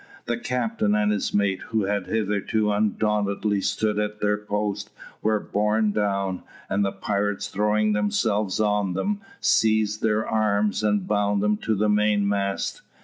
The captain and his mate, who had hitherto undauntedly stood at their post, were borne down; and the pirates, throwing themselves on them, seized their arms and bound them to the mainmast.